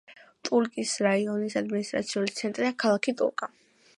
ტურკის რაიონის ადმინისტრაციული ცენტრია ქალაქი ტურკა.